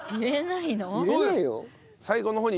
そうです。